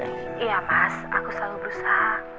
iya pas aku selalu berusaha